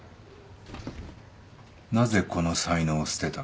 なぜこの才能を捨てた？